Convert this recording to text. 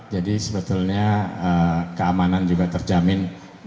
jadi sebetulnya keamanan juga terjamin